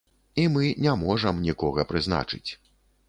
І мы не можам некага прызначыць.